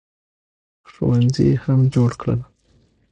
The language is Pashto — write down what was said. ښوونځي یې هم جوړ کړل.